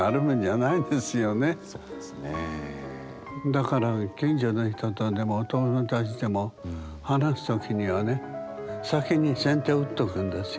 だから近所の人とでもお友達でも話すときにはね先に先手打っとくんですよ。